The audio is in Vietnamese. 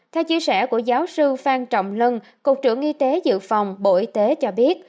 theo chia sẻ của giáo sư phan trọng lân cục trưởng y tế dự phòng bộ y tế cho biết